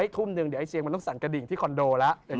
ทุ่มหนึ่งเดี๋ยวไอเสียงมันต้องสั่นกระดิ่งที่คอนโดแล้ว